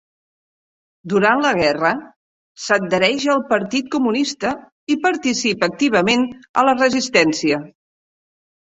Durant la guerra, s'adhereix al Partit comunista i participa activament a la resistència.